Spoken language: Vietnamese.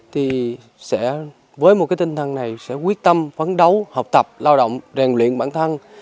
thì với một cái tinh thần này sẽ quyết tâm phấn đấu học tập lao động rèn luyện bản thân